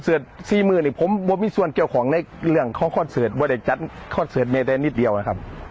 ซึ่งในคอนเสิร์ตซีมือเนี่ยผมไม่มีส่วนเกี่ยวของในเรื่องของคอนเสิร์ตว่าได้จัดคอนเสิร์ตเมไดนด์นิดเดียวนะครับ